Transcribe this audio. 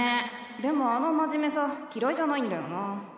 でもあの真面目さ嫌いじゃないんだよな。